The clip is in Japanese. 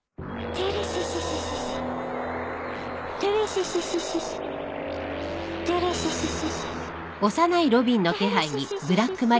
デレシシシシシ。